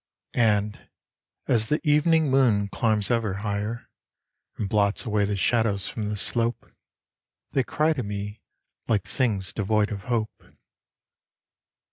And, as the evening moon climbs ever higher And blots away the shadows from the slope, They cry to me like things devoid of hope.